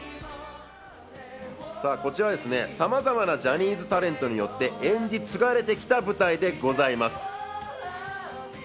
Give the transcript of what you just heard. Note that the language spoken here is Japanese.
こちらですね、さまざまなジャニーズタレントによって演じつがれてきた舞台でございます。